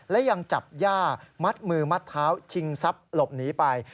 และยังจับย่ามัดมือมัดเท้าชิงทรัพย์หลบหนีไป